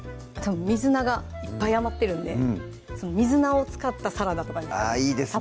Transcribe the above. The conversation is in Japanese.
水菜がいっぱい余ってるんでその水菜を使ったサラダとかあぁいいですね